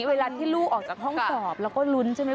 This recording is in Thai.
เวลาที่ลูกออกจากห้องสอบแล้วก็ลุ้นใช่ไหม